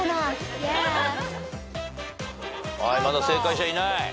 まだ正解者いない。